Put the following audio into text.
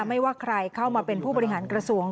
ไม่ว่าใครเข้ามาเป็นผู้บริหารกระทรวง